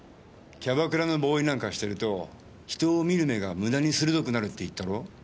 キャバクラのボーイなんかしてると人を見る目が無駄に鋭くなるって言ったろ？